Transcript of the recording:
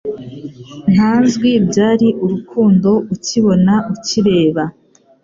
Ntazwi Byari urukundo ukibona ukireba